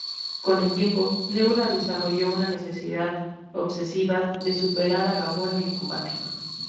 Con el tiempo, Nebula desarrolló una necesidad obsesiva de superar a Gamora en combate.